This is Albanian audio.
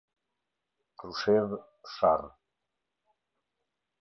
Krushevë, Sharr